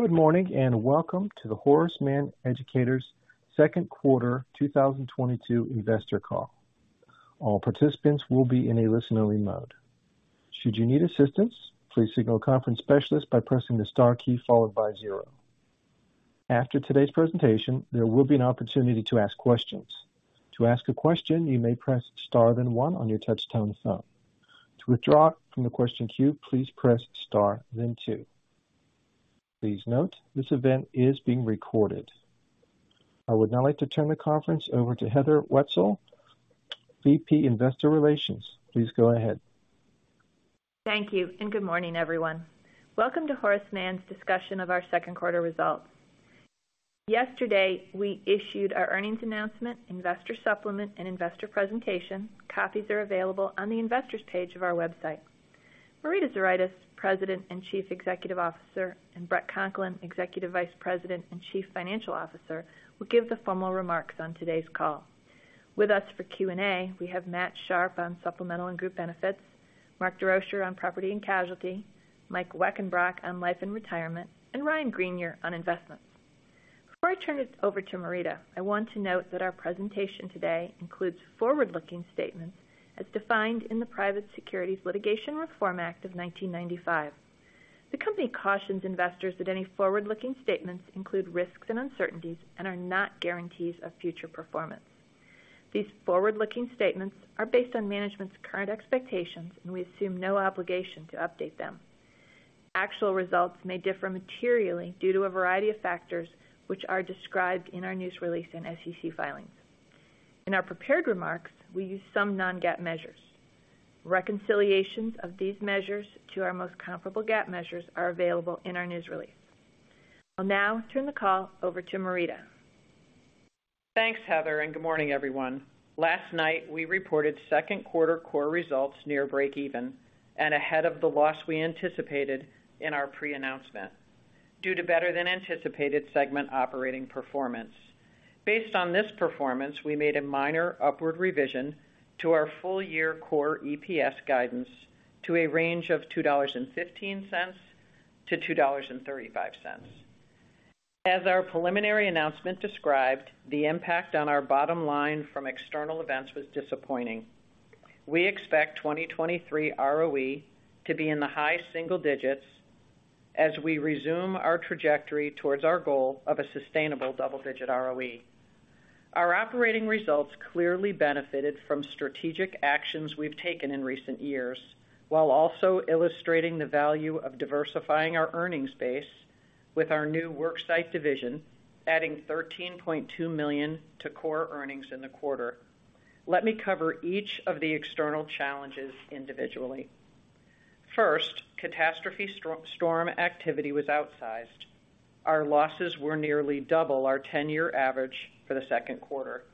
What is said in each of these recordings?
Good morning, and welcome to the Horace Mann Educators second quarter 2022 investor call. All participants will be in a listening mode. Should you need assistance, please signal a conference specialist by pressing the star key followed by 0. After today's presentation, there will be an opportunity to ask questions. To ask a question, you may press Star then 1 on your touchtone phone. To withdraw from the question queue, please press Star then 2. Please note, this event is being recorded. I would now like to turn the conference over to Heather Wetzel, EVP and Chief Marketing Officer. Please go ahead. Thank you and good morning, everyone. Welcome to Horace Mann's discussion of our second quarter results. Yesterday, we issued our earnings announcement, investor supplement, and investor presentation. Copies are available on the investors page of our website. Marita Zuraitis, President and Chief Executive Officer, and Bret Conklin, Executive Vice President and Chief Financial Officer, will give the formal remarks on today's call. With us for Q&A, we have Matt Sharpe on Supplemental & Group Benefits, Mark Desrochers on Property & Casualty, Mike Weckenbrock on Life & Retirement, and Ryan Greenier on investments. Before I turn it over to Marita, I want to note that our presentation today includes forward-looking statements as defined in the Private Securities Litigation Reform Act of 1995. The company cautions investors that any forward-looking statements include risks and uncertainties and are not guarantees of future performance. These forward-looking statements are based on management's current expectations, and we assume no obligation to update them. Actual results may differ materially due to a variety of factors, which are described in our news release and SEC filings. In our prepared remarks, we use some non-GAAP measures. Reconciliations of these measures to our most comparable GAAP measures are available in our news release. I'll now turn the call over to Marita. Thanks, Heather, and good morning, everyone. Last night, we reported second quarter core results near breakeven and ahead of the loss we anticipated in our pre-announcement due to better-than-anticipated segment operating performance. Based on this performance, we made a minor upward revision to our full-year core EPS guidance to a range of $2.15-$2.35. As our preliminary announcement described, the impact on our bottom line from external events was disappointing. We expect 2023 ROE to be in the high single digits as we resume our trajectory towards our goal of a sustainable double-digit ROE. Our operating results clearly benefited from strategic actions we've taken in recent years, while also illustrating the value of diversifying our earnings base with our new worksite division, adding $13.2 million to core earnings in the quarter. Let me cover each of the external challenges individually. First, catastrophe storm activity was outsized. Our losses were nearly double our ten-year average for the second quarter.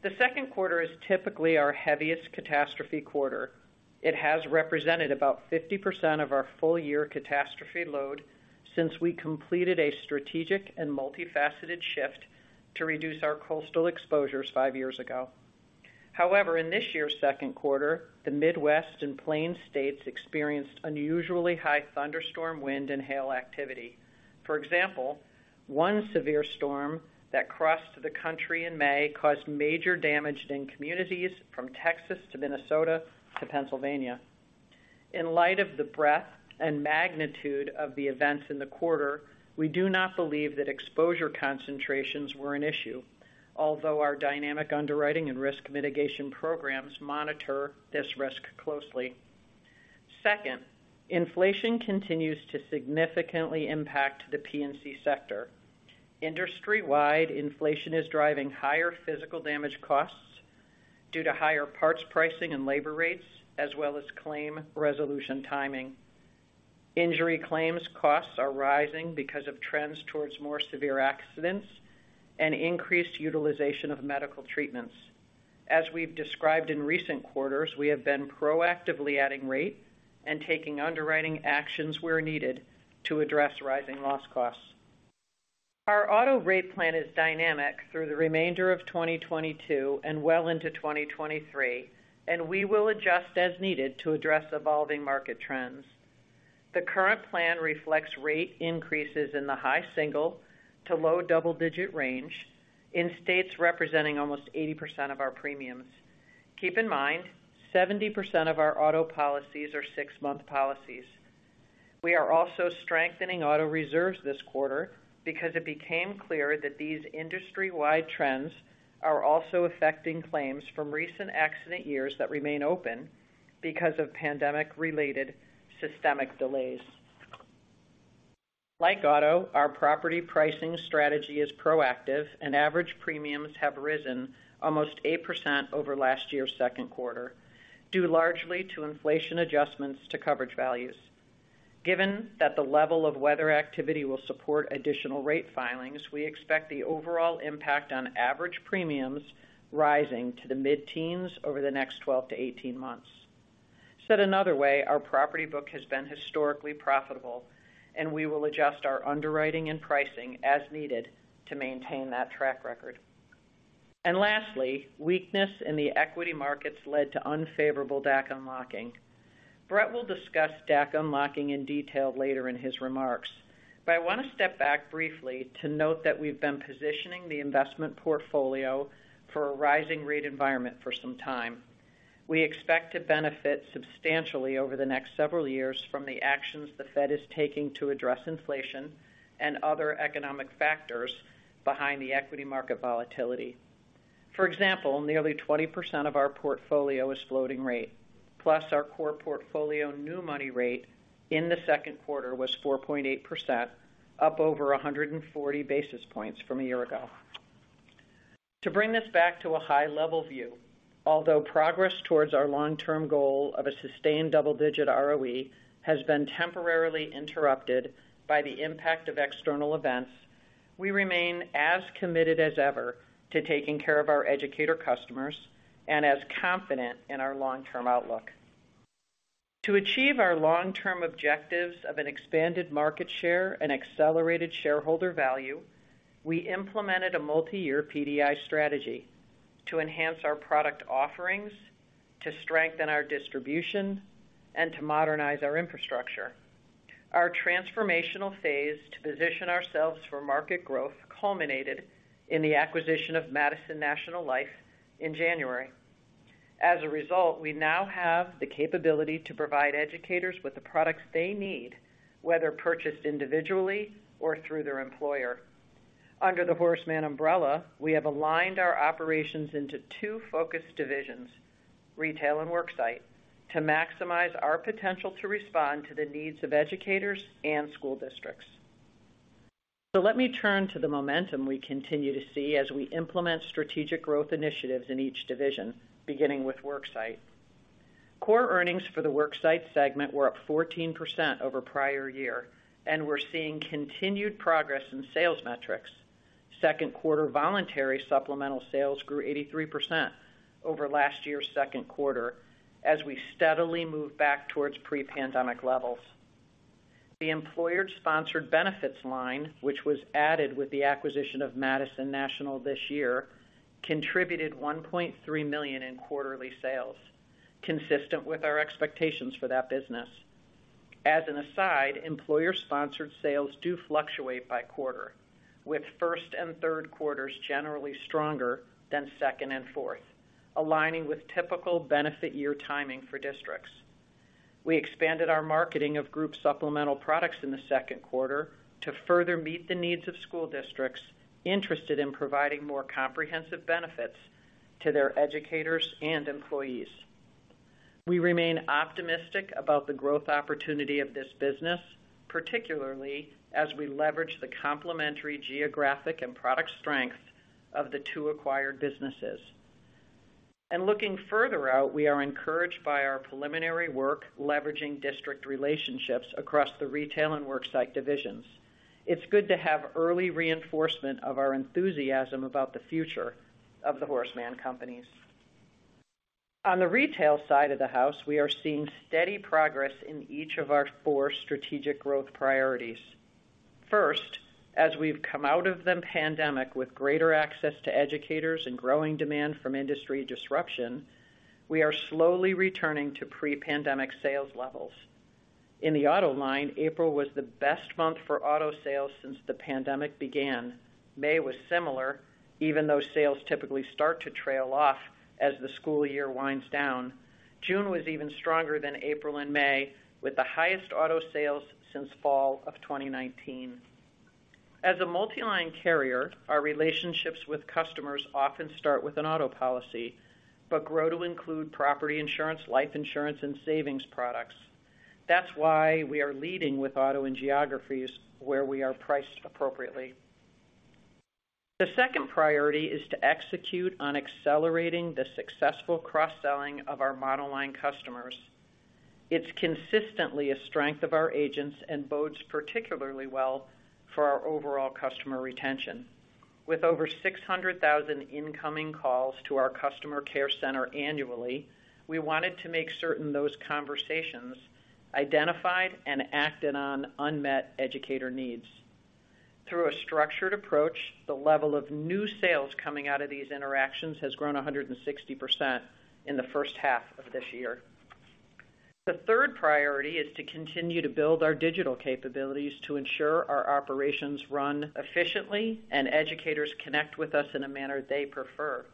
The second quarter is typically our heaviest catastrophe quarter. It has represented about 50% of our full-year catastrophe load since we completed a strategic and multifaceted shift to reduce our coastal exposures five years ago. However, in this year's second quarter, the Midwest and Plains states experienced unusually high thunderstorm, wind, and hail activity. For example, one severe storm that crossed the country in May caused major damage in communities from Texas to Minnesota to Pennsylvania. In light of the breadth and magnitude of the events in the quarter, we do not believe that exposure concentrations were an issue, although our dynamic underwriting and risk mitigation programs monitor this risk closely. Second, inflation continues to significantly impact the P&C sector. Industry-wide, inflation is driving higher physical damage costs due to higher parts pricing and labor rates, as well as claim resolution timing. Injury claims costs are rising because of trends towards more severe accidents and increased utilization of medical treatments. As we've described in recent quarters, we have been proactively adding rate and taking underwriting actions where needed to address rising loss costs. Our auto rate plan is dynamic through the remainder of 2022 and well into 2023, and we will adjust as needed to address evolving market trends. The current plan reflects rate increases in the high single- to low double-digit range in states representing almost 80% of our premiums. Keep in mind, 70% of our auto policies are six-month policies. We are also strengthening auto reserves this quarter because it became clear that these industry-wide trends are also affecting claims from recent accident years that remain open because of pandemic-related systemic delays. Like auto, our property pricing strategy is proactive, and average premiums have risen almost 8% over last year's second quarter, due largely to inflation adjustments to coverage values. Given that the level of weather activity will support additional rate filings, we expect the overall impact on average premiums rising to the mid-teens over the next 12 to 18 months. Said another way, our property book has been historically profitable, and we will adjust our underwriting and pricing as needed to maintain that track record. Lastly, weakness in the equity markets led to unfavorable DAC unlocking. Bret will discuss DAC unlocking in detail later in his remarks. I want to step back briefly to note that we've been positioning the investment portfolio for a rising rate environment for some time. We expect to benefit substantially over the next several years from the actions the Fed is taking to address inflation and other economic factors behind the equity market volatility. For example, nearly 20% of our portfolio is floating rate, plus our core portfolio new money rate in the second quarter was 4.8%, up over 140 basis points from a year ago. To bring this back to a high level view, although progress towards our long-term goal of a sustained double-digit ROE has been temporarily interrupted by the impact of external events, we remain as committed as ever to taking care of our educator customers and as confident in our long-term outlook. To achieve our long-term objectives of an expanded market share and accelerated shareholder value, we implemented a multiyear PDI strategy to enhance our product offerings, to strengthen our distribution, and to modernize our infrastructure. Our transformational phase to position ourselves for market growth culminated in the acquisition of Madison National Life in January. As a result, we now have the capability to provide educators with the products they need, whether purchased individually or through their employer. Under the Horace Mann umbrella, we have aligned our operations into two focused divisions, retail and worksite, to maximize our potential to respond to the needs of educators and school districts. Let me turn to the momentum we continue to see as we implement strategic growth initiatives in each division, beginning with worksite. Core earnings for the worksite segment were up 14% over prior year, and we're seeing continued progress in sales metrics. Second quarter voluntary supplemental sales grew 83% over last year's second quarter as we steadily move back towards pre-pandemic levels. The employer-sponsored benefits line, which was added with the acquisition of Madison National Life this year, contributed $1.3 million in quarterly sales, consistent with our expectations for that business. As an aside, employer-sponsored sales do fluctuate by quarter, with first and third quarters generally stronger than second and fourth, aligning with typical benefit year timing for districts. We expanded our marketing of group supplemental products in the second quarter to further meet the needs of school districts interested in providing more comprehensive benefits to their educators and employees. We remain optimistic about the growth opportunity of this business, particularly as we leverage the complementary geographic and product strength of the two acquired businesses. Looking further out, we are encouraged by our preliminary work leveraging district relationships across the retail and worksite divisions. It's good to have early reinforcement of our enthusiasm about the future of the Horace Mann companies. On the retail side of the house, we are seeing steady progress in each of our four strategic growth priorities. First, as we've come out of the pandemic with greater access to educators and growing demand from industry disruption, we are slowly returning to pre-pandemic sales levels. In the auto line, April was the best month for auto sales since the pandemic began. May was similar, even though sales typically start to trail off as the school year winds down. June was even stronger than April and May, with the highest auto sales since fall of 2019. As a multiline carrier, our relationships with customers often start with an auto policy, but grow to include property insurance, life insurance, and savings products. That's why we are leading with auto and geographies where we are priced appropriately. The second priority is to execute on accelerating the successful cross-selling of our monoline customers. It's consistently a strength of our agents and bodes particularly well for our overall customer retention. With over 600,000 incoming calls to our customer care center annually, we wanted to make certain those conversations identified and acted on unmet educator needs. Through a structured approach, the level of new sales coming out of these interactions has grown 160% in the first half of this year. The third priority is to continue to build our digital capabilities to ensure our operations run efficiently and educators connect with us in a manner they prefer.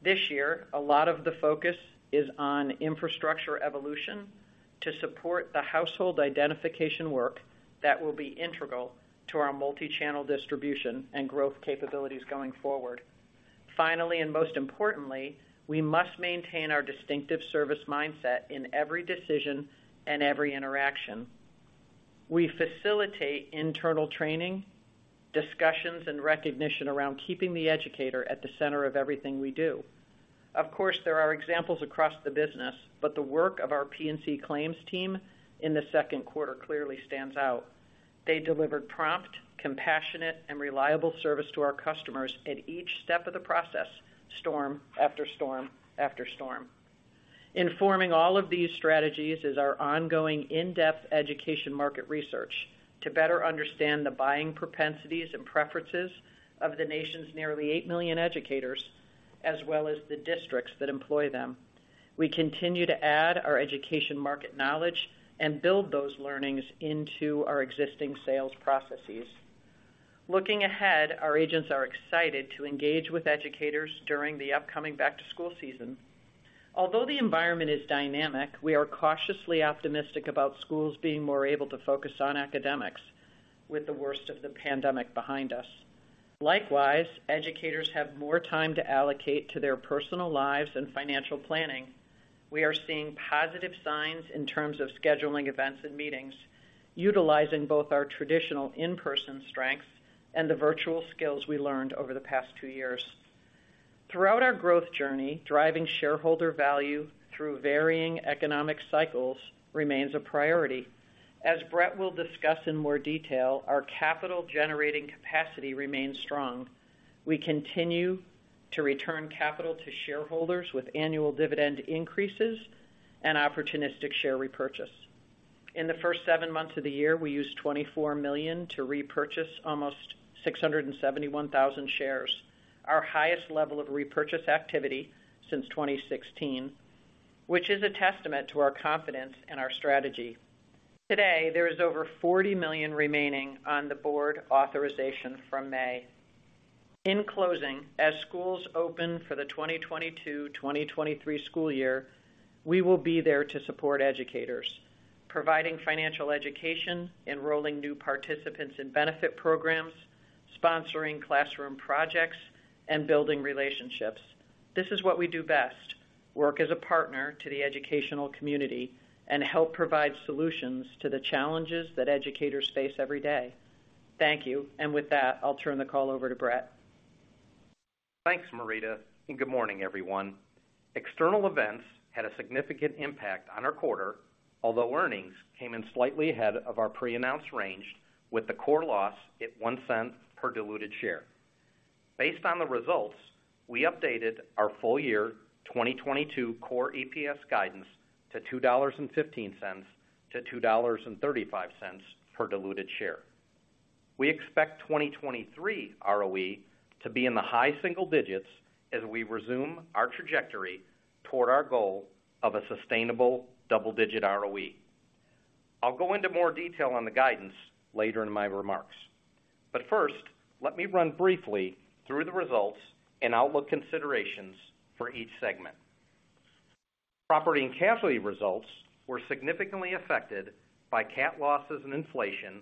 This year, a lot of the focus is on infrastructure evolution to support the household identification work that will be integral to our multi-channel distribution and growth capabilities going forward. Finally, and most importantly, we must maintain our distinctive service mindset in every decision and every interaction. We facilitate internal training, discussions, and recognition around keeping the educator at the center of everything we do. Of course, there are examples across the business, but the work of our P&C claims team in the second quarter clearly stands out. They delivered prompt, compassionate, and reliable service to our customers at each step of the process, storm after storm after storm. Informing all of these strategies is our ongoing in-depth education market research to better understand the buying propensities and preferences of the nation's nearly 8 million educators, as well as the districts that employ them. We continue to add our education market knowledge and build those learnings into our existing sales processes. Looking ahead, our agents are excited to engage with educators during the upcoming back-to-school season. Although the environment is dynamic, we are cautiously optimistic about schools being more able to focus on academics with the worst of the pandemic behind us. Likewise, educators have more time to allocate to their personal lives and financial planning. We are seeing positive signs in terms of scheduling events and meetings, utilizing both our traditional in-person strengths and the virtual skills we learned over the past 2 years. Throughout our growth journey, driving shareholder value through varying economic cycles remains a priority. As Bret will discuss in more detail, our capital-generating capacity remains strong. We continue to return capital to shareholders with annual dividend increases and opportunistic share repurchase. In the first 7 months of the year, we used $24 million to repurchase almost 671,000 shares, our highest level of repurchase activity since 2016, which is a testament to our confidence in our strategy. Today, there is over $40 million remaining on the board authorization from May. In closing, as schools open for the 2022/2023 school year, we will be there to support educators, providing financial education, enrolling new participants in benefit programs, sponsoring classroom projects, and building relationships. This is what we do best, work as a partner to the educational community and help provide solutions to the challenges that educators face every day. Thank you. With that, I'll turn the call over to Bret. Thanks, Marita, and good morning, everyone. External events had a significant impact on our quarter, although earnings came in slightly ahead of our pre-announced range with the core loss at $0.01 per diluted share. Based on the results, we updated our full year 2022 core EPS guidance to $2.15-$2.35 per diluted share. We expect 2023 ROE to be in the high single digits as we resume our trajectory toward our goal of a sustainable double-digit ROE. I'll go into more detail on the guidance later in my remarks, but first, let me run briefly through the results and outlook considerations for each segment. Property and casualty results were significantly affected by cat losses and inflation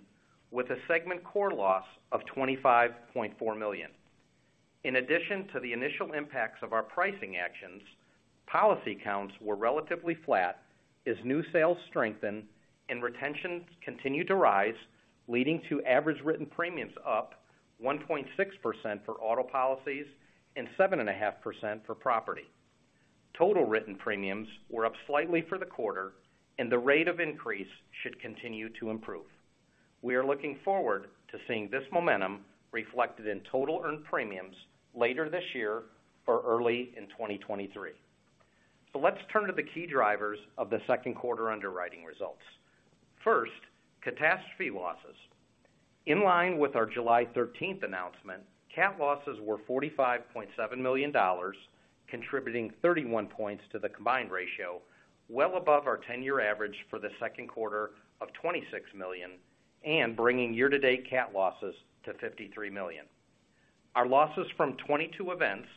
with a segment core loss of $25.4 million. In addition to the initial impacts of our pricing actions, policy counts were relatively flat as new sales strengthened and retention continued to rise, leading to average written premiums up 1.6% for auto policies and 7.5% for property. Total written premiums were up slightly for the quarter, and the rate of increase should continue to improve. We are looking forward to seeing this momentum reflected in total earned premiums later this year or early in 2023. Let's turn to the key drivers of the second quarter underwriting results. First, catastrophe losses. In line with our July 13 announcement, cat losses were $45.7 million, contributing 31 points to the combined ratio, well above our 10-year average for the second quarter of $26 million, and bringing year-to-date cat losses to $53 million. Our losses from 22 events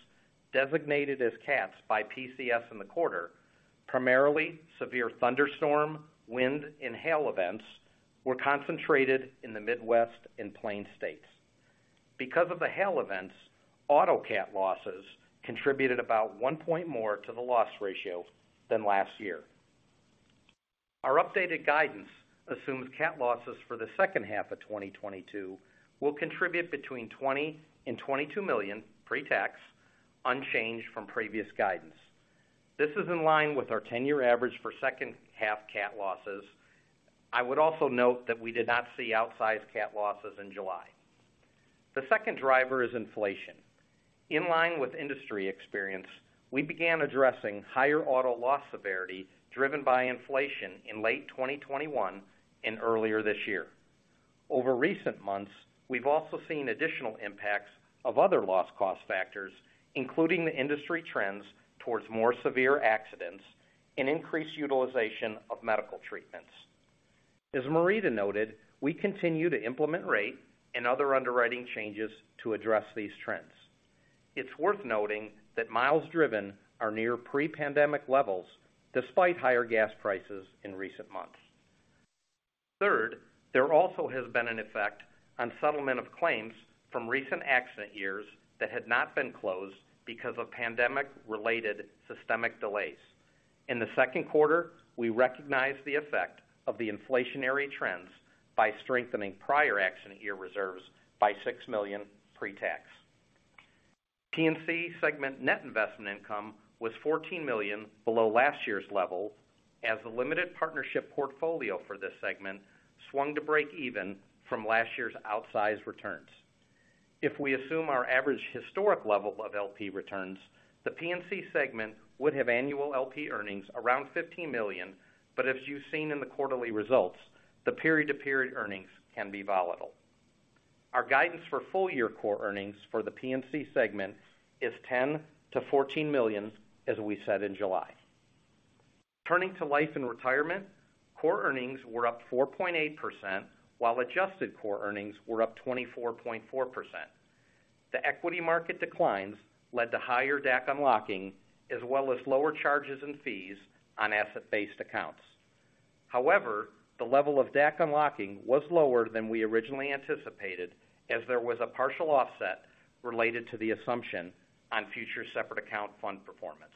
designated as cats by PCS in the quarter, primarily severe thunderstorm, wind, and hail events, were concentrated in the Midwest and plains states. Because of the hail events, auto cat losses contributed about one point more to the loss ratio than last year. Our updated guidance assumes cat losses for the second half of 2022 will contribute between $20 million and $22 million pre-tax, unchanged from previous guidance. This is in line with our 10-year average for second half cat losses. I would also note that we did not see outsized cat losses in July. The second driver is inflation. In line with industry experience, we began addressing higher auto loss severity driven by inflation in late 2021 and earlier this year. Over recent months, we've also seen additional impacts of other loss cost factors, including the industry trends towards more severe accidents and increased utilization of medical treatments. As Marita noted, we continue to implement rate and other underwriting changes to address these trends. It's worth noting that miles driven are near pre-pandemic levels despite higher gas prices in recent months. Third, there also has been an effect on settlement of claims from recent accident years that had not been closed because of pandemic-related systemic delays. In the second quarter, we recognized the effect of the inflationary trends by strengthening prior accident year reserves by $6 million pre-tax. P&C segment net investment income was $14 million below last year's level, as the limited partnership portfolio for this segment swung to break even from last year's outsized returns. If we assume our average historic level of LP returns, the P&C segment would have annual LP earnings around $15 million. As you've seen in the quarterly results, the period-to-period earnings can be volatile. Our guidance for full-year core earnings for the P&C segment is $10 million-$14 million, as we said in July. Turning to life and retirement, core earnings were up 4.8%, while adjusted core earnings were up 24.4%. The equity market declines led to higher DAC unlocking, as well as lower charges and fees on asset-based accounts. However, the level of DAC unlocking was lower than we originally anticipated, as there was a partial offset related to the assumption on future separate account fund performance.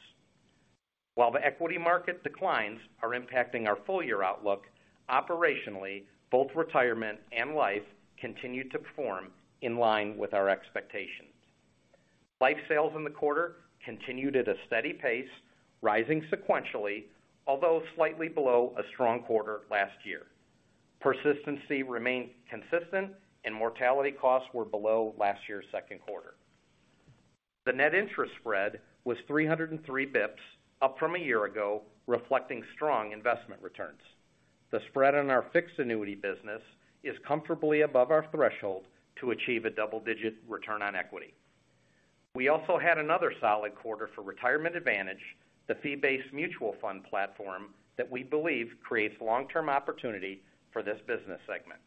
While the equity market declines are impacting our full-year outlook, operationally, both retirement and life continued to perform in line with our expectations. Life sales in the quarter continued at a steady pace, rising sequentially, although slightly below a strong quarter last year. Persistency remained consistent and mortality costs were below last year's second quarter. The net interest spread was 303 basis points, up from a year ago, reflecting strong investment returns. The spread on our fixed annuity business is comfortably above our threshold to achieve a double-digit return on equity. We also had another solid quarter for Retirement Advantage, the fee-based mutual fund platform that we believe creates long-term opportunity for this business segment.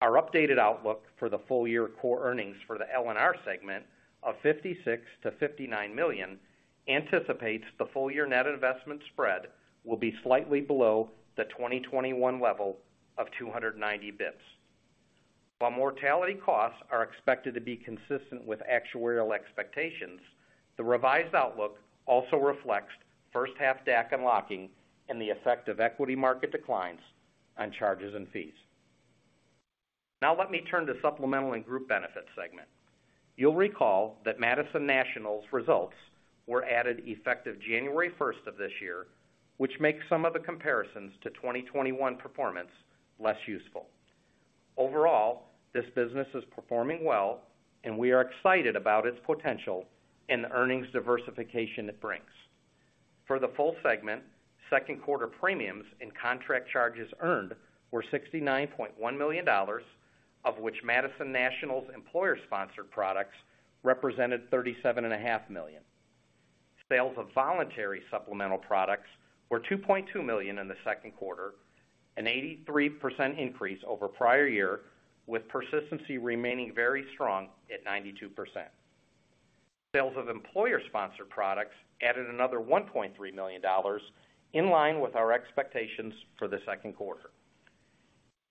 Our updated outlook for the full-year core earnings for the L&R segment of $56 million-$59 million anticipates the full-year net investment spread will be slightly below the 2021 level of 290 basis points. While mortality costs are expected to be consistent with actuarial expectations, the revised outlook also reflects first half DAC unlocking and the effect of equity market declines on charges and fees. Now let me turn to Supplemental & Group Benefits segment. You'll recall that Madison National's results were added effective January first of this year, which makes some of the comparisons to 2021 performance less useful. Overall, this business is performing well, and we are excited about its potential and the earnings diversification it brings. For the full segment, second quarter premiums and contract charges earned were $69.1 million, of which Madison National's employer-sponsored products represented $37.5 million. Sales of voluntary supplemental products were $2.2 million in the second quarter, an 83% increase over prior year, with persistency remaining very strong at 92%. Sales of employer-sponsored products added another $1.3 million in line with our expectations for the second quarter.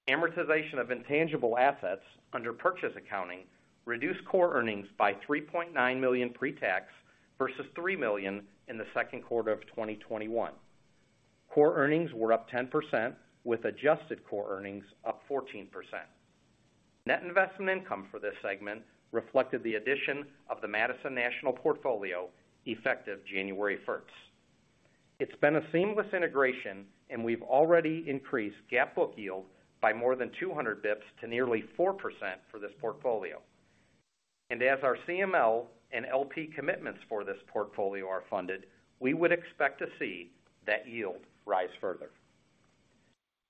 Amortization of intangible assets under purchase accounting reduced core earnings by $3.9 million pre-tax versus $3 million in the second quarter of 2021. Core earnings were up 10%, with adjusted core earnings up 14%. Net investment income for this segment reflected the addition of the Madison National portfolio effective January first. It's been a seamless integration, and we've already increased GAAP book yield by more than 200 basis points to nearly 4% for this portfolio. As our CML and LP commitments for this portfolio are funded, we would expect to see that yield rise further.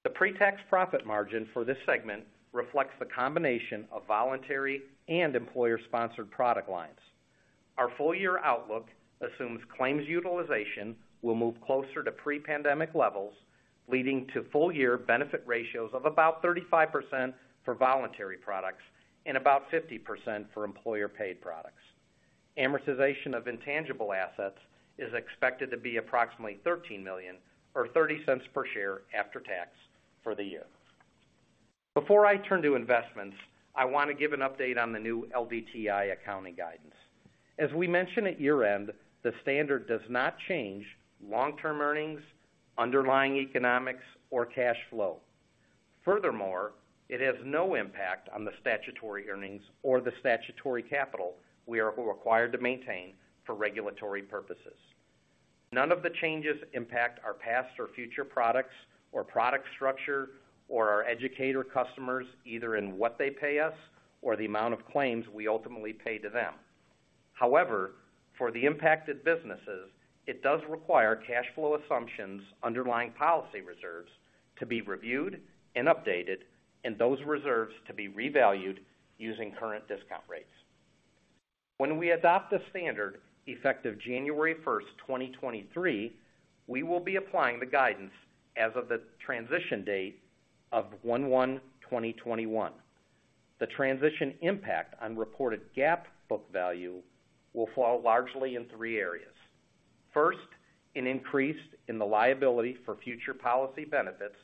The pre-tax profit margin for this segment reflects the combination of voluntary and employer-sponsored product lines. Our full-year outlook assumes claims utilization will move closer to pre-pandemic levels, leading to full-year benefit ratios of about 35% for voluntary products and about 50% for employer-paid products. Amortization of intangible assets is expected to be approximately $13 million or $0.30 per share after tax for the year. Before I turn to investments, I want to give an update on the new LDTI accounting guidance. As we mentioned at year-end, the standard does not change long-term earnings, underlying economics, or cash flow. Furthermore, it has no impact on the statutory earnings or the statutory capital we are required to maintain for regulatory purposes. None of the changes impact our past or future products or product structure or our educator customers, either in what they pay us or the amount of claims we ultimately pay to them. However, for the impacted businesses, it does require cash flow assumptions underlying policy reserves to be reviewed and updated, and those reserves to be revalued using current discount rates. When we adopt the standard effective January 1, 2023, we will be applying the guidance as of the transition date of 1/1/2021. The transition impact on reported GAAP book value will fall largely in three areas. First, an increase in the liability for future policy benefits,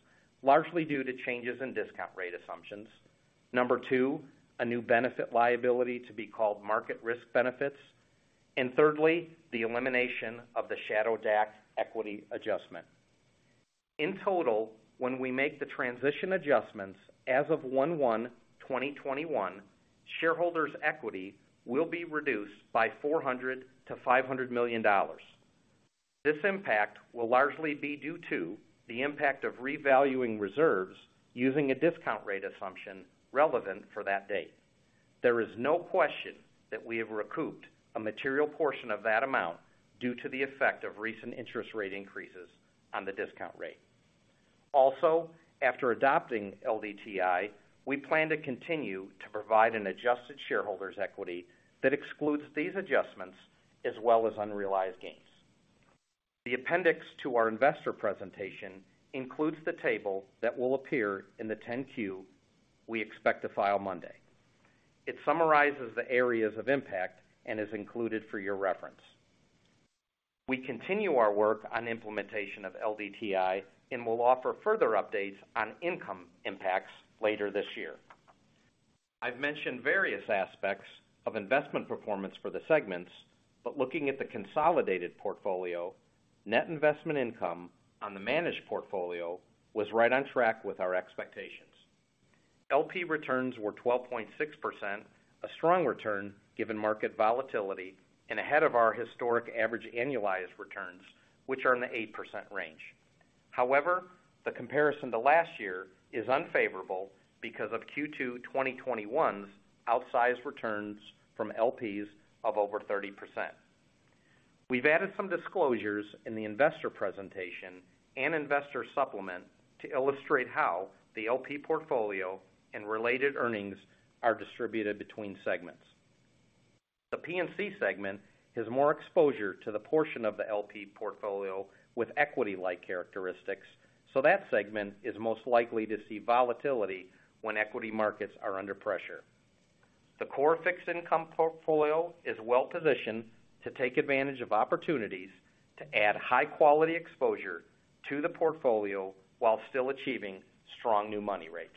largely due to changes in discount rate assumptions. Number two, a new benefit liability to be called Market Risk Benefits. Thirdly, the elimination of the Shadow DAC equity adjustment. In total, when we make the transition adjustments as of 1/1/2021, shareholders' equity will be reduced by $400 million-$500 million. This impact will largely be due to the impact of revaluing reserves using a discount rate assumption relevant for that date. There is no question that we have recouped a material portion of that amount due to the effect of recent interest rate increases on the discount rate. Also, after adopting LDTI, we plan to continue to provide an adjusted shareholders equity that excludes these adjustments as well as unrealized gains. The appendix to our investor presentation includes the table that will appear in the 10-Q we expect to file Monday. It summarizes the areas of impact and is included for your reference. We continue our work on implementation of LDTI and will offer further updates on income impacts later this year. I've mentioned various aspects of investment performance for the segments, but looking at the consolidated portfolio, net investment income on the managed portfolio was right on track with our expectations. LP returns were 12.6%, a strong return given market volatility and ahead of our historic average annualized returns, which are in the 8% range. However, the comparison to last year is unfavorable because of Q2 2021's outsized returns from LPs of over 30%. We've added some disclosures in the investor presentation and investor supplement to illustrate how the LP portfolio and related earnings are distributed between segments. The P&C segment has more exposure to the portion of the LP portfolio with equity-like characteristics, so that segment is most likely to see volatility when equity markets are under pressure. The core fixed income portfolio is well positioned to take advantage of opportunities to add high quality exposure to the portfolio while still achieving strong new money rates.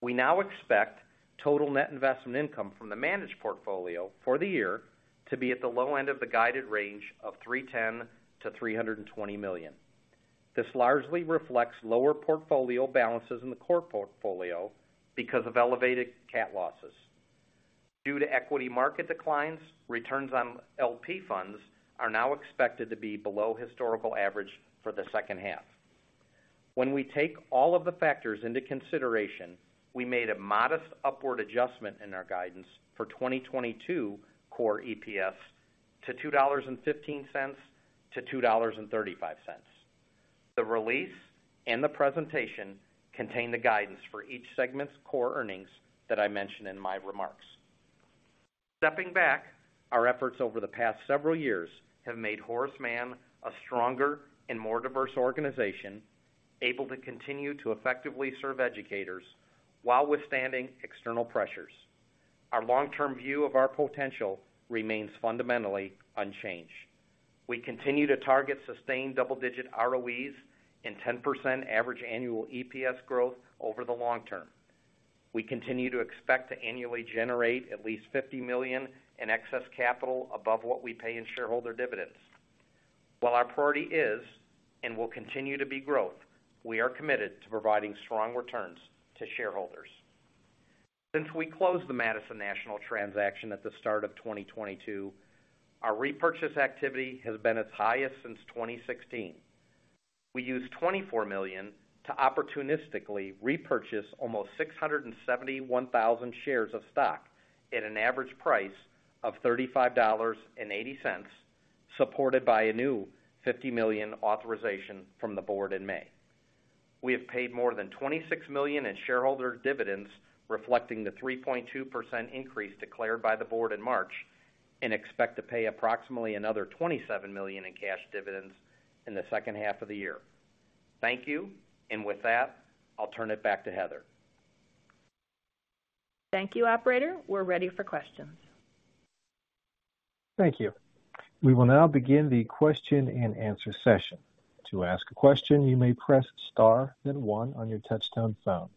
We now expect total net investment income from the managed portfolio for the year to be at the low end of the guided range of $310 million-$320 million. This largely reflects lower portfolio balances in the core portfolio because of elevated cat losses. Due to equity market declines, returns on LP funds are now expected to be below historical average for the second half. When we take all of the factors into consideration, we made a modest upward adjustment in our guidance for 2022 core EPS to $2.15-$2.35. The release and the presentation contain the guidance for each segment's core earnings that I mentioned in my remarks. Stepping back, our efforts over the past several years have made Horace Mann a stronger and more diverse organization, able to continue to effectively serve educators while withstanding external pressures. Our long-term view of our potential remains fundamentally unchanged. We continue to target sustained double-digit ROEs and 10% average annual EPS growth over the long term. We continue to expect to annually generate at least $50 million in excess capital above what we pay in shareholder dividends. While our priority is and will continue to be growth, we are committed to providing strong returns to shareholders. Since we closed the Madison National transaction at the start of 2022, our repurchase activity has been its highest since 2016. We used $24 million to opportunistically repurchase almost 671,000 shares of stock at an average price of $35.80, supported by a new $50 million authorization from the board in May. We have paid more than $26 million in shareholder dividends, reflecting the 3.2% increase declared by the board in March, and expect to pay approximately another $27 million in cash dividends in the second half of the year. Thank you. With that, I'll turn it back to Heather Wetzel. Thank you. Operator, we're ready for questions. Thank you. We will now begin the question-and-answer session. To ask a question, you may press star then one on your touchtone phone.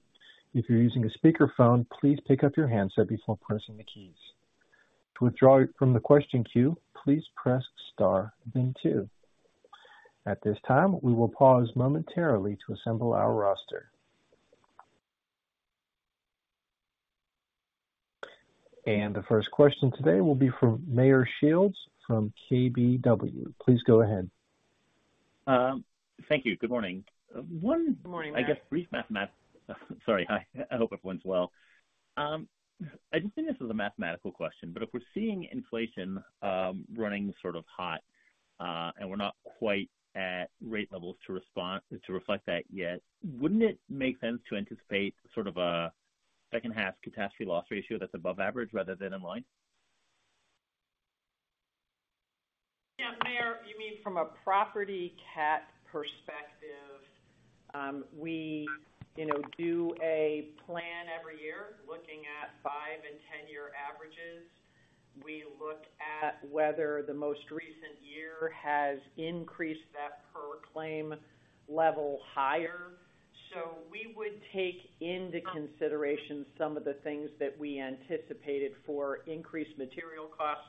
If you're using a speakerphone, please pick up your handset before pressing the keys. To withdraw from the question queue, please press star then two. At this time, we will pause momentarily to assemble our roster. The first question today will be from Meyer Shields from KBW. Please go ahead. Thank you. Good morning. Good morning, Meyer. Hi. I hope everyone's well. I just think this is a mathematical question. If we're seeing inflation running sort of hot, and we're not quite at rate levels to reflect that yet, wouldn't it make sense to anticipate sort of a second half catastrophe loss ratio that's above average rather than in line? Yeah, Meyer, you mean from a property cat perspective, we, you know, do a plan every year looking at 5- and 10-year averages. We look at whether the most recent year has increased that per claim level higher. We would take into consideration some of the things that we anticipated for increased material costs.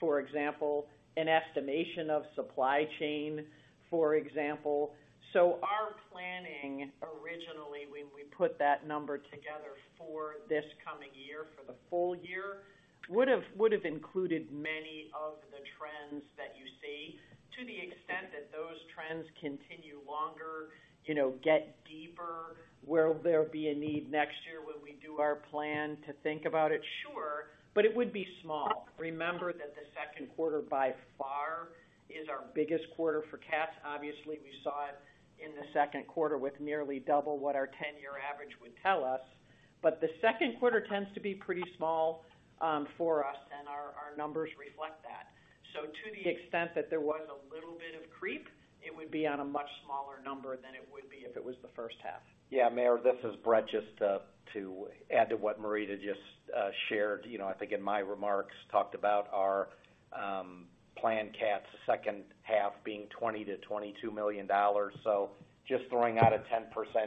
For example, an estimation of supply chain, for example. Our planning originally when we put that number together for this coming year, for the full year, would have included many of the trends that you see to the extent that those trends continue longer, you know, get deeper. Will there be a need next year when we do our plan to think about it? Sure. It would be small. Remember that the second quarter, by far, is our biggest quarter for cats. Obviously, we saw it in the second quarter with nearly double what our ten-year average would tell us. The second quarter tends to be pretty small, for us, and our numbers reflect that. To the extent that there was a little bit of creep, it would be on a much smaller number than it would be if it was the first half. Yeah. Meyer, this is Bret. Just to add to what Marita just shared. You know, I think in my remarks talked about our planned cats second half being $20-$22 million. Just throwing out a 10%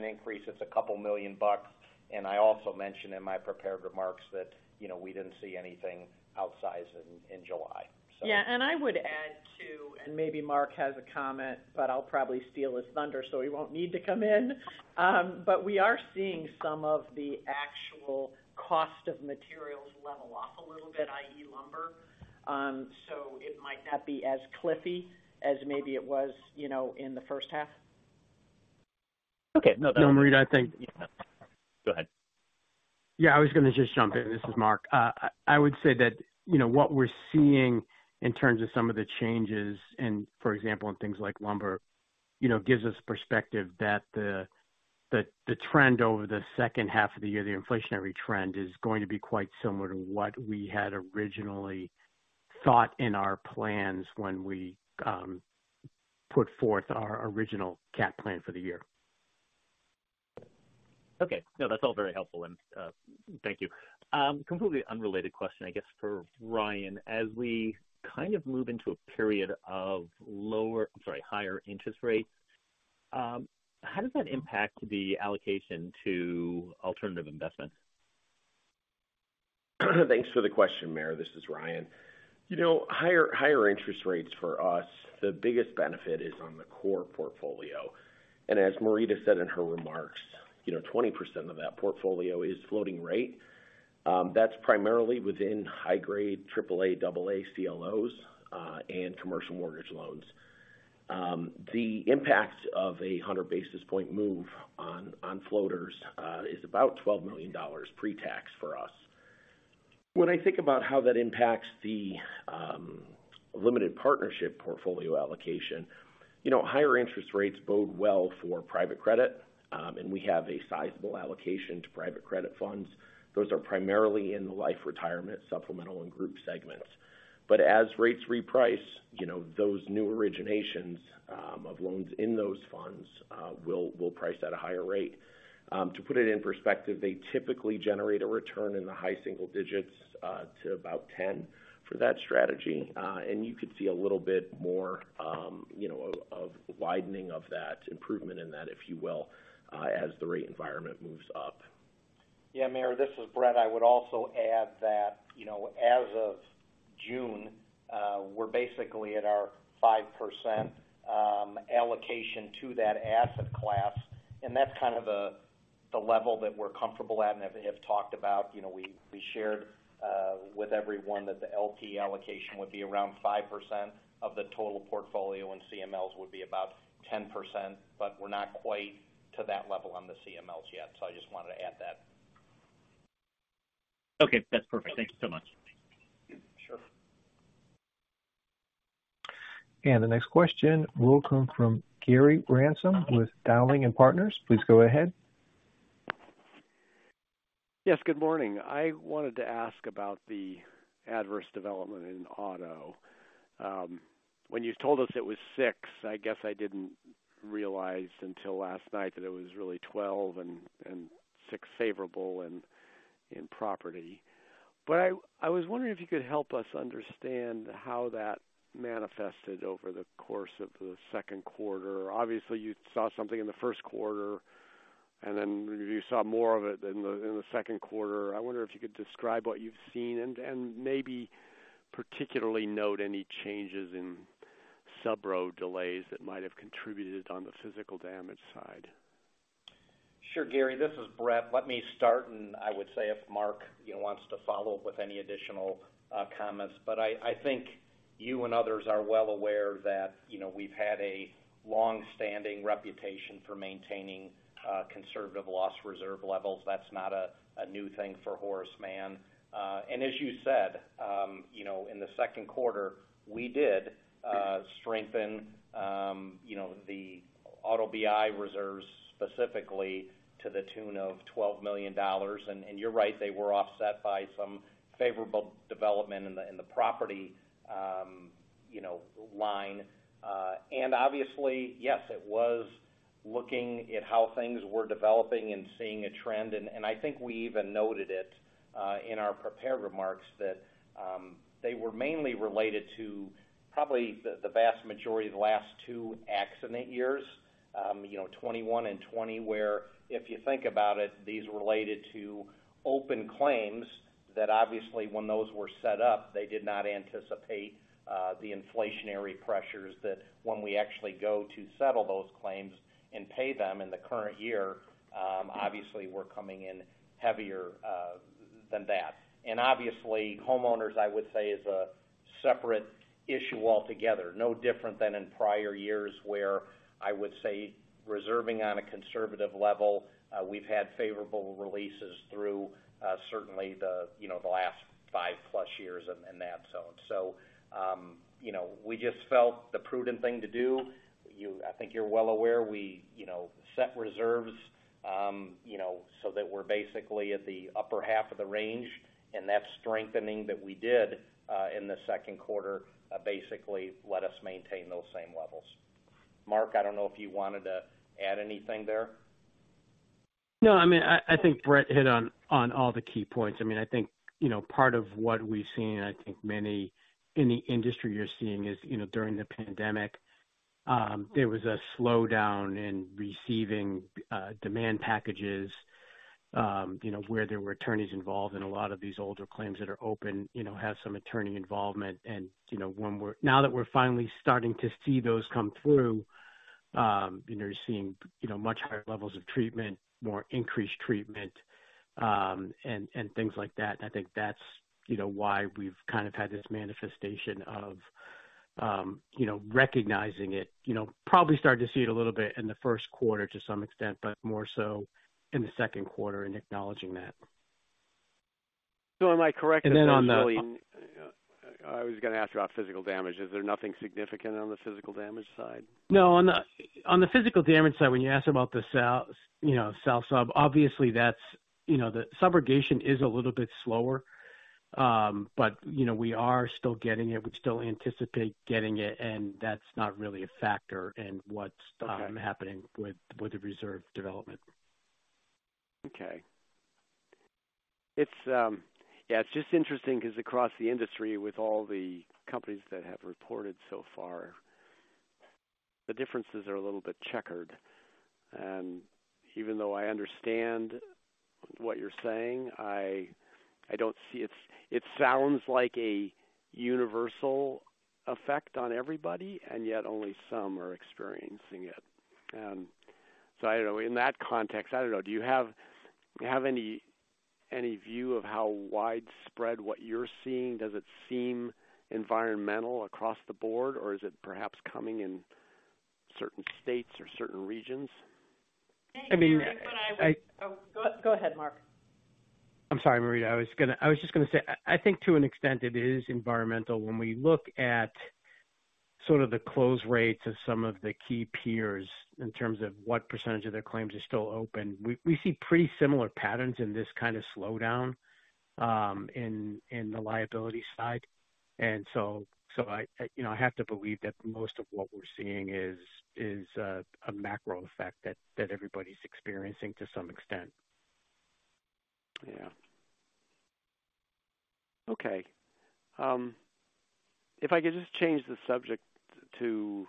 increase, it's a couple million bucks. I also mentioned in my prepared remarks that, you know, we didn't see anything outsized in July, so. Yeah. I would add too, and maybe Mark has a comment, but I'll probably steal his thunder, so he won't need to come in. We are seeing some of the actual cost of materials level off a little bit, i.e. lumber. It might not be as cliffy as maybe it was, you know, in the first half. Okay. No, Marita, I think. Go ahead. Yeah, I was gonna just jump in. This is Mark. I would say that, you know, what we're seeing in terms of some of the changes and for example, on things like lumber, you know, gives us perspective that the trend over the second half of the year, the inflationary trend, is going to be quite similar to what we had originally thought in our plans when we put forth our original CAT plan for the year. Okay. No, that's all very helpful and, thank you. Completely unrelated question, I guess, for Ryan. As we kind of move into a period of higher interest rates, how does that impact the allocation to alternative investment? Thanks for the question, Meyer. This is Ryan. You know, higher interest rates for us, the biggest benefit is on the core portfolio. As Marita said in her remarks, you know, 20% of that portfolio is floating rate, that's primarily within high-grade triple A, double A CLOs, and commercial mortgage loans. The impact of a 100 basis point move on floaters is about $12 million pre-tax for us. When I think about how that impacts the limited partnership portfolio allocation, you know, higher interest rates bode well for private credit, and we have a sizable allocation to private credit funds. Those are primarily in the life and retirement, supplemental and group segments. As rates reprice, you know, those new originations of loans in those funds will price at a higher rate. To put it in perspective, they typically generate a return in the high single digits to about 10 for that strategy. You could see a little bit more, you know, of widening of that improvement in that, if you will, as the rate environment moves up. Yeah. Meyer, this is Bret. I would also add that, you know, as of June, we're basically at our 5% allocation to that asset class, and that's kind of the level that we're comfortable at and have talked about. You know, we shared with everyone that the LP allocation would be around 5% of the total portfolio, and CMLs would be about 10%, but we're not quite to that level on the CMLs yet. I just wanted to add that. Okay, that's perfect. Thank you so much. Sure. The next question will come from Gary Ransom with Dowling & Partners. Please go ahead. Yes, good morning. I wanted to ask about the adverse development in auto. When you told us it was $6, I guess I didn't realize until last night that it was really $12 and $6 favorable in property. I was wondering if you could help us understand how that manifested over the course of the second quarter. Obviously, you saw something in the first quarter, and then you saw more of it in the second quarter. I wonder if you could describe what you've seen and maybe particularly note any changes in subrogation delays that might have contributed on the physical damage side. Sure. Gary, this is Bret. Let me start, and I would say if Mark, you know, wants to follow up with any additional comments. I think you and others are well aware that, you know, we've had a long-standing reputation for maintaining conservative loss reserve levels. That's not a new thing for Horace Mann. As you said, you know, in the second quarter, we did strengthen, you know, the auto BI reserves specifically to the tune of $12 million. You're right, they were offset by some favorable development in the property line. Obviously, yes, it was looking at how things were developing and seeing a trend. I think we even noted it in our prepared remarks that they were mainly related to probably the vast majority of the last two accident years. You know, 2021 and 2020 where, if you think about it, these related to open claims that obviously when those were set up, they did not anticipate the inflationary pressures that when we actually go to settle those claims and pay them in the current year, obviously we're coming in heavier than that. Obviously homeowners, I would say, is a separate issue altogether. No different than in prior years where I would say reserving on a conservative level, we've had favorable releases through certainly the, you know, the last 5+ years in that zone. You know, we just felt the prudent thing to do. I think you're well aware we, you know, set reserves, you know, so that we're basically at the upper half of the range. That strengthening that we did in the second quarter basically let us maintain those same levels. Mark, I don't know if you wanted to add anything there. No, I mean, I think Bret hit on all the key points. I mean, I think, you know, part of what we've seen, I think many in the industry you're seeing is, you know, during the pandemic, there was a slowdown in receiving demand packages, you know, where there were attorneys involved in a lot of these older claims that are open, you know, have some attorney involvement and, you know, now that we're finally starting to see those come through, you know, you're seeing, you know, much higher levels of treatment, more increased treatment, and things like that. I think that's, you know, why we've kind of had this manifestation of, you know, recognizing it. You know, probably started to see it a little bit in the first quarter to some extent, but more so in the second quarter in acknowledging that. Am I correct? And then on the- I was gonna ask about physical damage. Is there nothing significant on the physical damage side? No. On the physical damage side, when you ask about the subrogation, obviously that's, you know, the subrogation is a little bit slower. But, you know, we are still getting it. We still anticipate getting it, and that's not really a factor in what's- Okay. happening with the reserve development. Okay. It's, yeah, it's just interesting 'cause across the industry with all the companies that have reported so far, the differences are a little bit checkered. Even though I understand what you're saying, I don't see. It sounds like a universal effect on everybody, and yet only some are experiencing it. I don't know. In that context, I don't know, do you have any view of how widespread what you're seeing? Does it seem environmental across the board, or is it perhaps coming in certain states or certain regions? I mean. I think what I would I- Oh, go ahead, Mark. I'm sorry, Marita. I was just gonna say, I think to an extent it is environmental. When we look at sort of the close rates of some of the key peers in terms of what percentage of their claims are still open, we see pretty similar patterns in this kind of slowdown in the liability side. I, you know, I have to believe that most of what we're seeing is a macro effect that everybody's experiencing to some extent. Yeah. Okay. If I could just change the subject to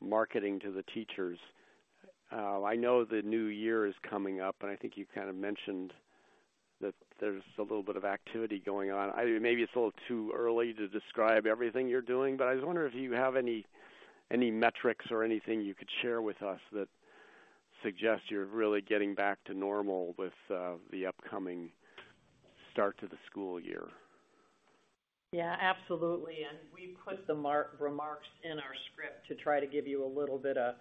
marketing to the teachers. I know the new year is coming up, and I think you kind of mentioned that there's a little bit of activity going on. Maybe it's a little too early to describe everything you're doing, but I was wondering if you have any metrics or anything you could share with us that suggests you're really getting back to normal with the upcoming start to the school year. Yeah, absolutely. We put the remarks in our script to try to give you a little bit of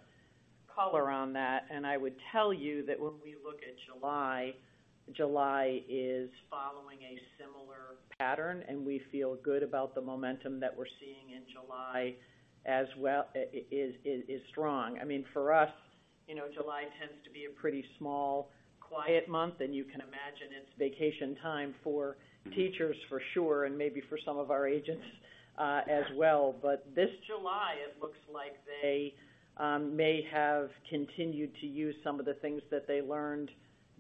color on that. I would tell you that when we look at July is following a similar pattern, and we feel good about the momentum that we're seeing in July as well, is strong. I mean, for us, you know, July tends to be a pretty small, quiet month. You can imagine it's vacation time for teachers for sure, and maybe for some of our agents, as well. This July, it looks like they may have continued to use some of the things that they learned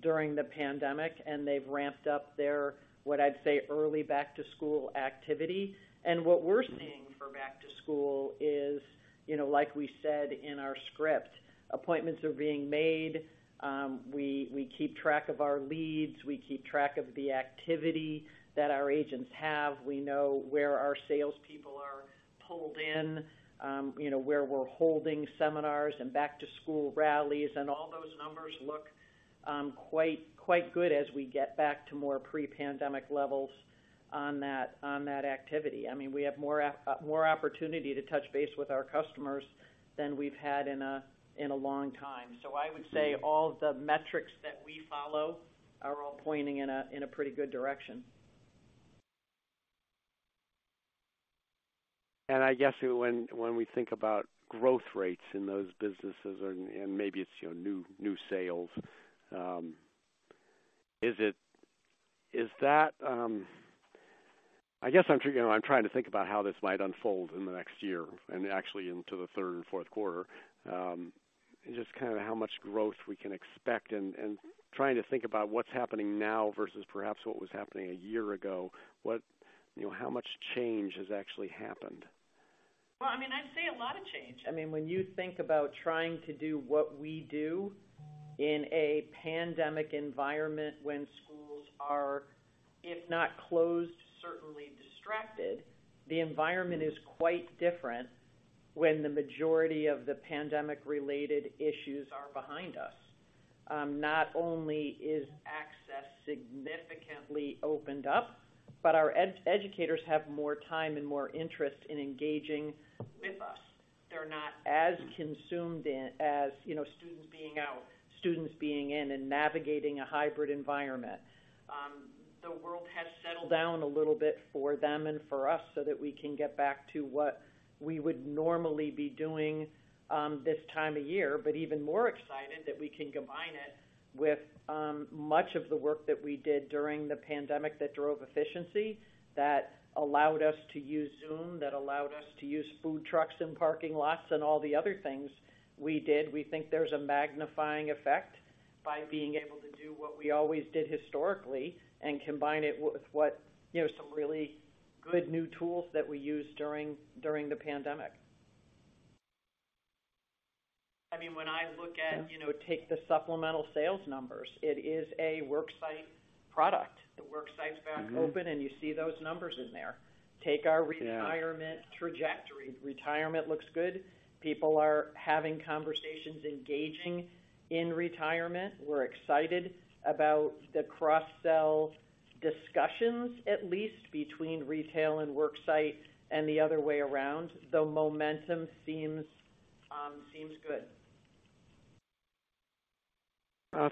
during the pandemic, and they've ramped up their, what I'd say, early back-to-school activity. What we're seeing for back to school is, you know, like we said in our script, appointments are being made. We keep track of our leads. We keep track of the activity that our agents have. We know where our salespeople are pulled in, you know, where we're holding seminars and back-to-school rallies. All those numbers look quite good as we get back to more pre-pandemic levels on that activity. I mean, we have more opportunity to touch base with our customers than we've had in a long time. I would say all the metrics that we follow are all pointing in a pretty good direction. I guess when we think about growth rates in those businesses and maybe it's, you know, new sales, is that. I guess, you know, I'm trying to think about how this might unfold in the next year and actually into the third and fourth quarter. Just kind of How much growth we can expect and trying to think about what's happening now versus perhaps what was happening a year ago? What, you know, how much change has actually happened? Well, I mean, I'd say a lot of change. I mean, when you think about trying to do what we do in a pandemic environment, when schools are, if not closed, certainly distracted, the environment is quite different when the majority of the pandemic-related issues are behind us. Not only is access significantly opened up, but our educators have more time and more interest in engaging with us. They're not as consumed in as, you know, students being out, students being in, and navigating a hybrid environment. The world has settled down a little bit for them and for us so that we can get back to what we would normally be doing this time of year, but even more excited that we can combine it with much of the work that we did during the pandemic that drove efficiency, that allowed us to use Zoom, that allowed us to use food trucks in parking lots and all the other things we did. We think there's a magnifying effect by being able to do what we always did historically and combine it with what, you know, some really good new tools that we used during the pandemic. I mean, when I look at, you know, take the supplemental sales numbers, it is a worksite product. The worksite's back open, and you see those numbers in there. Take our retirement trajectory. Retirement looks good. People are having conversations, engaging in retirement. We're excited about the cross-sell discussions, at least between retail and work site and the other way around, the momentum seems good.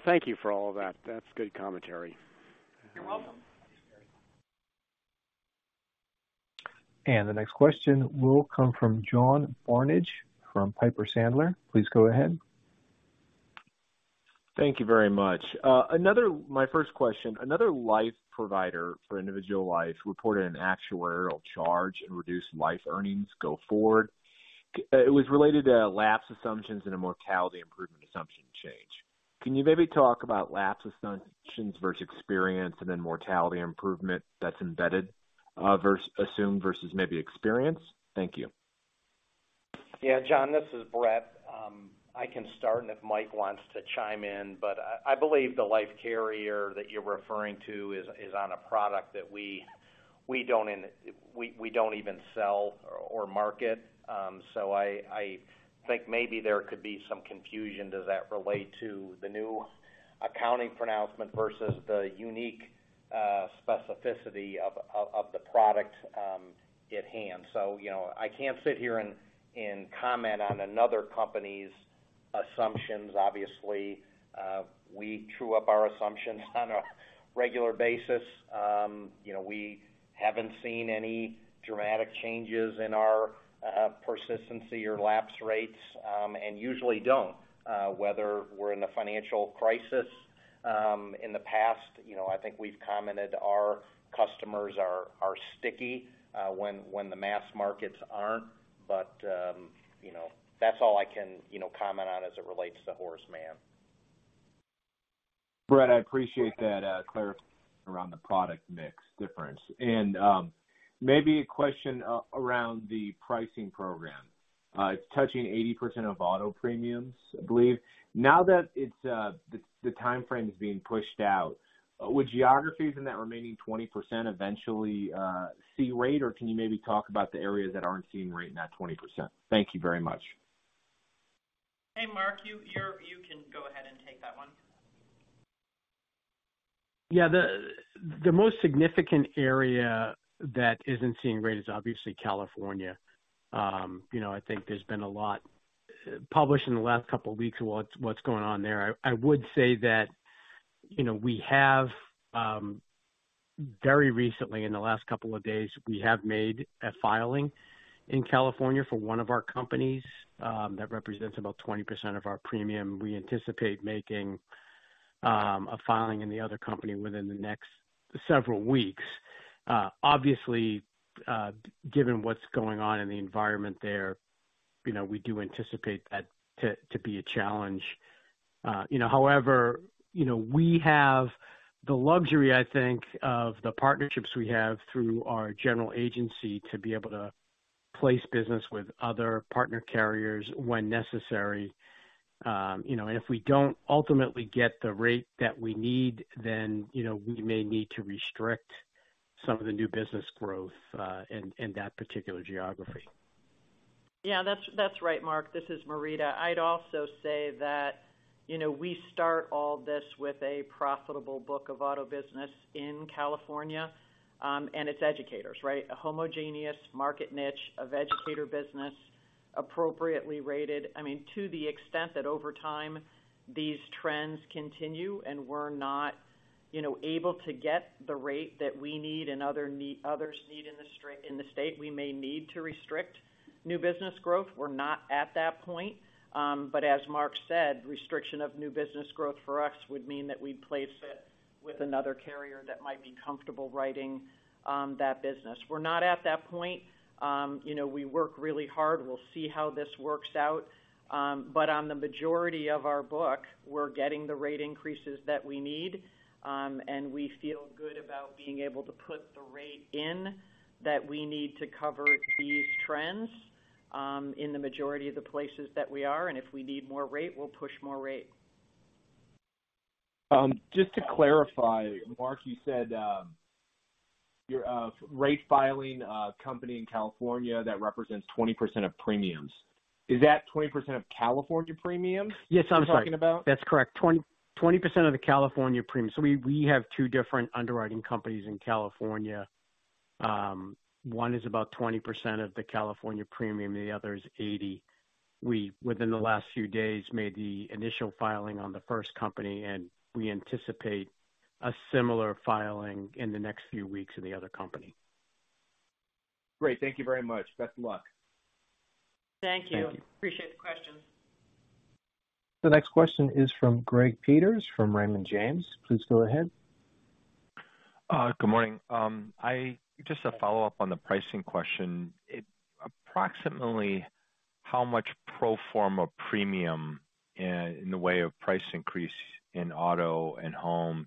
Thank you for all of that. That's good commentary. You're welcome. The next question will come from John Barnidge from Piper Sandler. Please go ahead. Thank you very much. My first question, another life provider for individual life reported an actuarial charge and reduced life earnings going forward. It was related to lapse assumptions and a mortality improvement assumption change. Can you maybe talk about lapse assumptions versus experience and then mortality improvement that's embedded, versus assumed versus maybe experience? Thank you. Yeah. John Barnidge, this is Bret Conklin. I can start, and if Mike Weckenbrock wants to chime in, but I believe the life carrier that you're referring to is on a product that we don't even sell or market. I think maybe there could be some confusion. Does that relate to the new accounting pronouncement versus the unique specificity of the product at hand? You know, I can't sit here and comment on another company's assumptions. Obviously, we true up our assumptions on a regular basis. You know, we haven't seen any dramatic changes in our persistency or lapse rates, and usually don't, whether we're in a financial crisis in the past. You know, I think we've commented our customers are sticky when the mass markets aren't. You know, that's all I can, you know, comment on as it relates to Horace Mann. Bret, I appreciate that clarification around the product mix difference. Maybe a question around the pricing program. It's touching 80% of auto premiums, I believe. Now that its timeframe is being pushed out, would geographies in that remaining 20% eventually see rate? Or can you maybe talk about the areas that aren't seeing rate in that 20%? Thank you very much. Hey, Mark, you can go ahead and take that one. Yeah. The most significant area that isn't seeing rate is obviously California. You know, I think there's been a lot published in the last couple weeks what's going on there. I would say that, you know, we have very recently, in the last couple of days, we have made a filing in California for one of our companies that represents about 20% of our premium. We anticipate making a filing in the other company within the next several weeks. Obviously, given what's going on in the environment there, you know, we do anticipate that to be a challenge. You know, however, you know, we have the luxury, I think, of the partnerships we have through our general agency to be able to place business with other partner carriers when necessary. You know, if we don't ultimately get the rate that we need, then you know, we may need to restrict some of the new business growth in that particular geography. Yeah. That's right, Mark. This is Marita. I'd also say that, you know, we start all this with a profitable book of auto business in California, and it's educators, right? A homogeneous market niche of educator business appropriately rated. I mean, to the extent that over time these trends continue and we're not, you know, able to get the rate that we need and others need in the state, we may need to restrict new business growth. We're not at that point. But as Mark said, restriction of new business growth for us would mean that we'd place it with another carrier that might be comfortable writing that business. We're not at that point. You know, we work really hard. We'll see how this works out. On the majority of our book, we're getting the rate increases that we need, and we feel good about being able to put the rate in that we need to cover these trends, in the majority of the places that we are. If we need more rate, we'll push more rate. Just to clarify, Mark, you said you're a rate filing company in California that represents 20% of premiums. Is that 20% of California premiums? Yes. I'm sorry. You're talking about? That's correct. 20% of the California premiums. We have two different underwriting companies in California. One is about 20% of the California premium, the other is 80%. Within the last few days, we made the initial filing on the first company, and we anticipate a similar filing in the next few weeks in the other company. Great. Thank you very much. Best of luck. Thank you. Thank you. Appreciate the question. The next question is from C. Gregory Peters from Raymond James. Please go ahead. Good morning. Just a follow-up on the pricing question. Approximately how much pro forma premium in the way of price increase in auto and home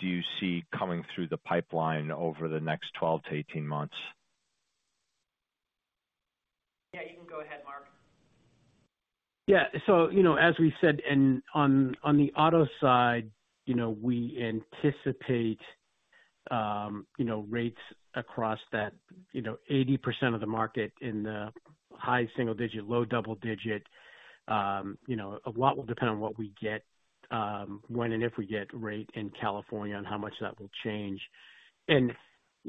do you see coming through the pipeline over the next 12-18 months? Yeah, you can go ahead, Mark. Yeah. You know, as we said on the auto side, you know, we anticipate, you know, rates across that, you know, 80% of the market in the high single-digit, low double-digit. You know, a lot will depend on what we get, when and if we get rate in California and how much that will change. You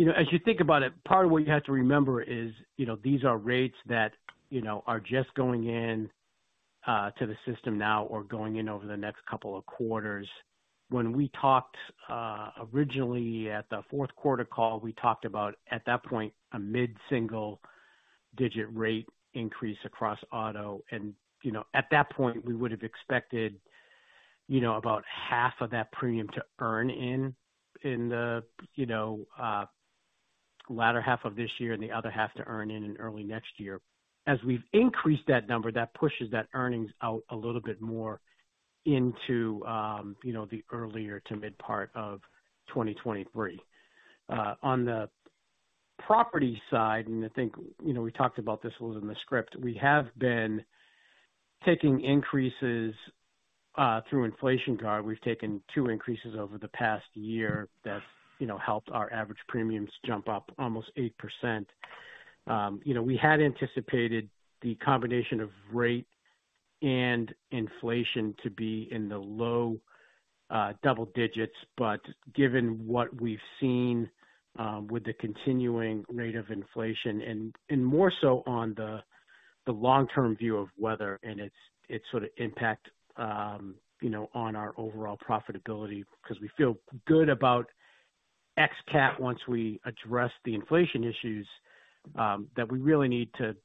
know, as you think about it, part of what you have to remember is, you know, these are rates that, you know, are just going in to the system now or going in over the next couple of quarters. When we talked, originally at the fourth quarter call, we talked about, at that point, a mid-single-digit rate increase across auto. You know, at that point, we would have expected, you know, about half of that premium to earn in the latter half of this year and the other half to earn in early next year. As we've increased that number, that pushes that earnings out a little bit more into, you know, the earlier to mid part of 2023. On the property side, I think, you know, we talked about this a little in the script, we have been taking increases through Inflation Guard. We've taken 2 increases over the past year that, you know, helped our average premiums jump up almost 8%. You know, we had anticipated the combination of rate and inflation to be in the low double digits%. Given what we've seen, with the continuing rate of inflation and more so on the long-term view of weather and its sort of impact, you know, on our overall profitability, 'cause we feel good about ex cat once we address the inflation issues, that we really need to,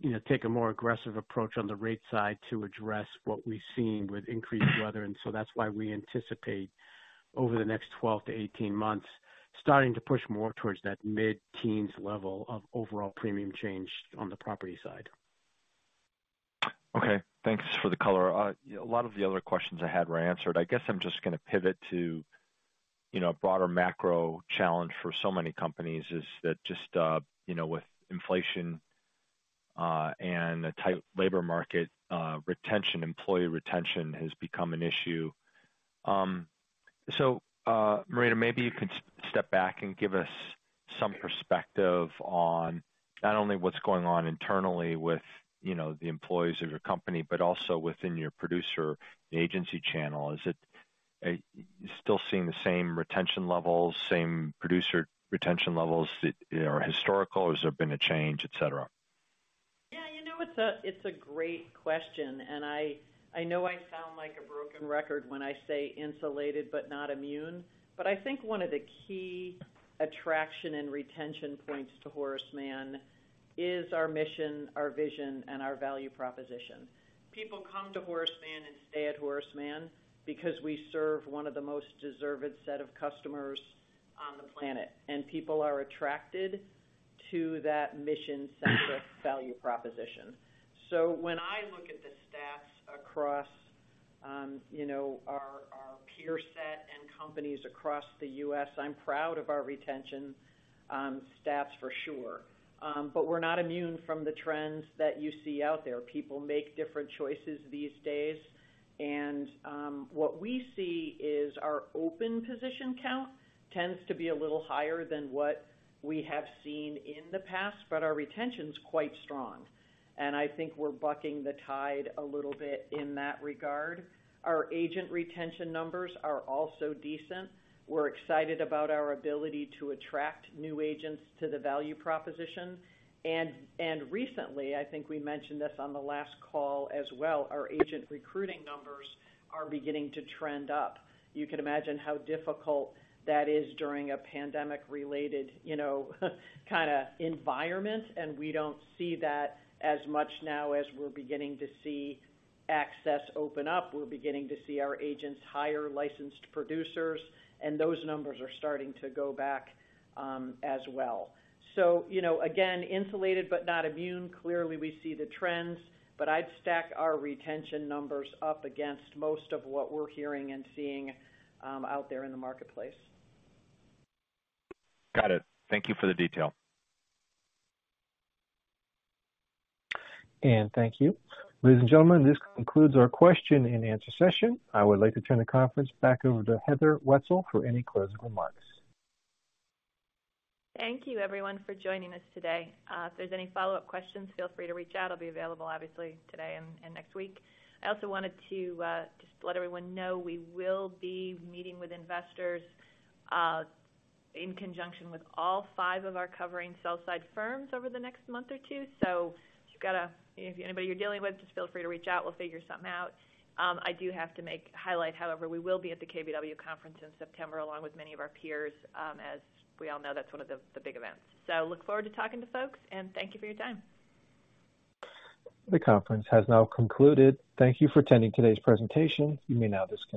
you know, take a more aggressive approach on the rate side to address what we've seen with increased weather. That's why we anticipate over the next 12 to 18 months, starting to push more towards that mid-teens level of overall premium change on the property side. Okay, thanks for the color. A lot of the other questions I had were answered. I guess I'm just gonna pivot to a broader macro challenge for so many companies is that just with inflation and a tight labor market retention, employee retention has become an issue. Marita Zuraitis, maybe you could step back and give us some perspective on not only what's going on internally with the employees of your company, but also within your producer agency channel. Is it you're still seeing the same retention levels, same producer retention levels that are historical, or has there been a change, et cetera? Yeah, you know, it's a great question, and I know I sound like a broken record when I say insulated, but not immune. I think one of the key attraction and retention points to Horace Mann is our mission, our vision, and our value proposition. People come to Horace Mann and stay at Horace Mann because we serve one of the most deserving set of customers on the planet. People are attracted to that mission-centric value proposition. When I look at the stats across, you know, our peer set and companies across the U.S., I'm proud of our retention stats for sure. We're not immune from the trends that you see out there. People make different choices these days. What we see is our open position count tends to be a little higher than what we have seen in the past, but our retention's quite strong. I think we're bucking the tide a little bit in that regard. Our agent retention numbers are also decent. We're excited about our ability to attract new agents to the value proposition. Recently, I think we mentioned this on the last call as well, our agent recruiting numbers are beginning to trend up. You can imagine how difficult that is during a pandemic-related, you know, kind of environment. We don't see that as much now as we're beginning to see access open up. We're beginning to see our agents hire licensed producers, and those numbers are starting to go back, as well. You know, again, insulated but not immune. Clearly, we see the trends, but I'd stack our retention numbers up against most of what we're hearing and seeing, out there in the marketplace. Got it. Thank you for the detail. Thank you. Ladies and gentlemen, this concludes our question and answer session. I would like to turn the conference back over to Heather Wetzel for any closing remarks. Thank you, everyone, for joining us today. If there's any follow-up questions, feel free to reach out. I'll be available obviously today and next week. I also wanted to just let everyone know we will be meeting with investors in conjunction with all five of our covering sell-side firms over the next month or two. If you've got anybody you're dealing with, just feel free to reach out, we'll figure something out. I do have to highlight however, we will be at the KBW Conference in September, along with many of our peers, as we all know, that's one of the big events. Look forward to talking to folks, and thank you for your time. The conference has now concluded. Thank you for attending today's presentation. You may now disconnect.